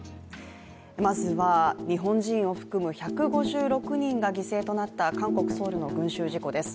まずは、日本人を含む１５６人が犠牲となった韓国・ソウルの群集事故です。